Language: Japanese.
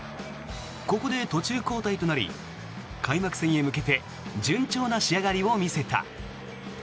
ここで途中交代となり開幕戦へ向けて順調な仕上がりを見せた。